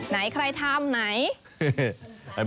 ไหนใครทำไหน